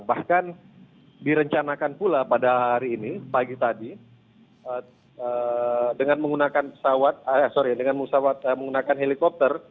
bahkan direncanakan pula pada hari ini pagi tadi dengan menggunakan helikopter